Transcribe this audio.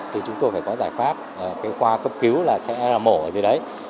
thì chúng tôi phải có giải pháp khoa cấp cứu sẽ mổ ở dưới đấy